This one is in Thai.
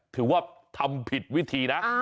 ถือว่าทำผิดวิธีนะ